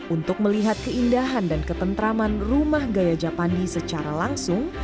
untuk melihat keindahan dan ketentraman rumah gaya japandi secara langsung